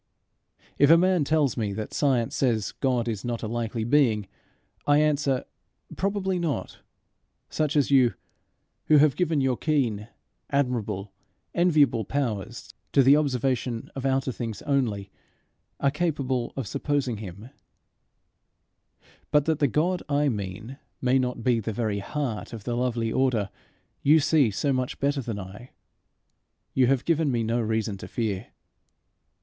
If a man tells me that science says God is not a likely being, I answer, Probably not such as you, who have given your keen, admirable, enviable powers to the observation of outer things only, are capable of supposing him; but that the God I mean may not be the very heart of the lovely order you see so much better than I, you have given me no reason to fear.